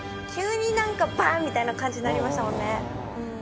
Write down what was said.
急に何かバン！みたいな感じになりましたもんね。